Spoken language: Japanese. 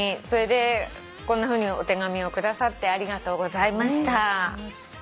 それでこんなふうにお手紙を下さってありがとうございました。